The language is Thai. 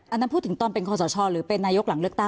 อันนั้นพูดถึงตอนเป็นคอสชหรือเป็นนายกหลังเลือกตั้ง